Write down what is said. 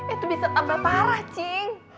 itu bisa tambah parah ching